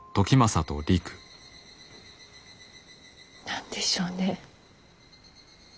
何でしょうね。